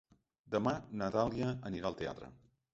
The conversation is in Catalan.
Demà na Dàlia anirà al teatre.